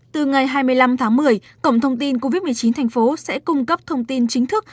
từ ngày hai mươi năm tháng một mươi cổng thông tin covid một mươi chín thành phố sẽ cung cấp thông tin chính thức